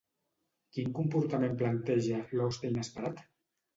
Quin comportament planteja L'hoste inesperat?